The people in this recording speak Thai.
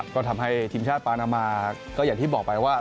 ก็ทำให้ทีมชาติปานามาก็อย่างที่บอกไปว่า